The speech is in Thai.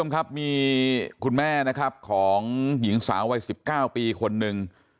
คุณแม่ของหญิงสาววัย๑๙ปีคนหนึ่ง